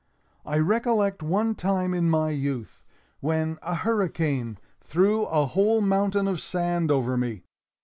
I recollect one time in my youth when a hurricane threw a whole mountain of sand over me.